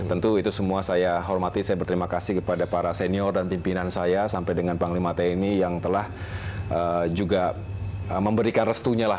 tentu itu semua saya hormati saya berterima kasih kepada para senior dan pimpinan saya sampai dengan panglima tni yang telah juga memberikan restunya lah